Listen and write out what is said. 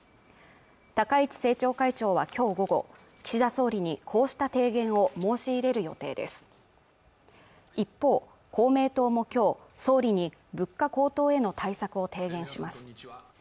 高市政調会長は今日午後、岸田総理にこうした提言を申し入れる予定です一方、公明党もきょう総理に物価高騰への対策を提言します